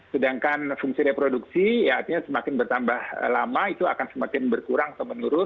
sedangkan fungsi reproduksi ya artinya semakin bertambah lama itu akan semakin berkurang atau menurun